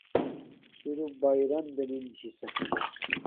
صرف بݳئݺ رَن دݵنِم چھݵسَکݳ.